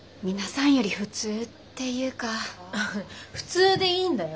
普通でいいんだよ。